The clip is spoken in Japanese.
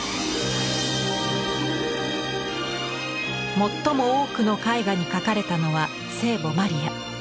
最も多くの絵画に描かれたのは聖母マリア。